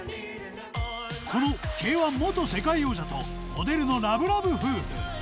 このＫ−１元世界王者とモデルのラブラブ夫婦